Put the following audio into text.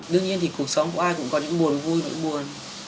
đương nhiên thì cuộc sống của ai cũng có những buồn vui và những buồn